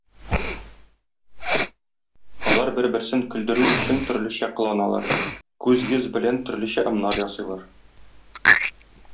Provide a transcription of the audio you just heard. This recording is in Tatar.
Алар бер-берсен көлдерү өчен төрлечә кыланалар, күз-йөз белән төрлечә ымнар ясыйлар.